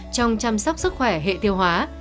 trong chăm sóc sức khỏe hệ tiêu hóa